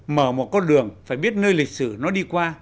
mở một con đường phải biết nơi lịch sử nó đi qua